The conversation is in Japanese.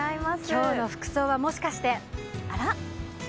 今日の服装はもしかして、あら？